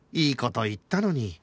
いい事言ったのに